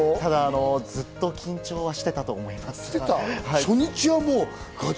でも、ずっと緊張していたと思います。